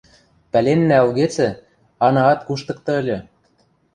– Пӓленнӓ ылгецӹ, анаат куштыкты ыльы.